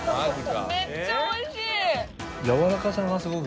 めっちゃおいしい！